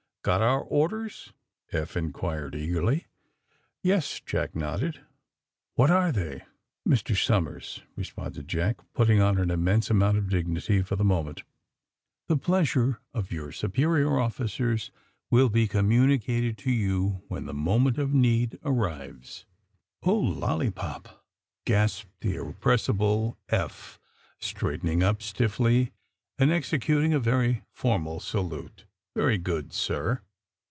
''Got our orders I" Eph inquired eagerly. ''Yes/^ Jack nodded. What are they?" AND THE SMUGGLEES 21 ti Mr. Somers,'^ responded Jack, putting on an immense amount of dignity for tlie moment, 'Hhe pleasure of your superior officers will be communicated to you when the moment of need arrives !"^' Oh, lollypop !'' gasped the irrepressible Eph, straightening up stiffly and executing a very formal salute. ^'Very good, sir.''